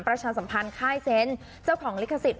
ประชาสัมพันธ์ค่ายเซนต์เจ้าของลิขสิทธ